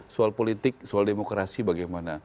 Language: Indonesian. soal politik soal demokrasi bagaimana